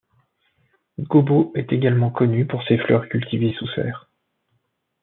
Gobō est également connue pour ses fleurs cultivées sous serres.